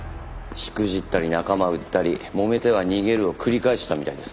しくじったり仲間売ったりもめては逃げるを繰り返してたみたいです。